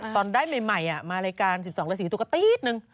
ตอนได้ใหม่มารายการ๑๒ราศีตัวก็ตี๊ดนึง